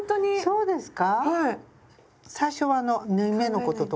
そうですね。